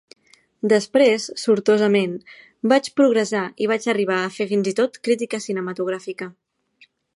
Després, sortosament, vaig progressar i vaig arribar a fer fins i tot crítica cinematogràfica.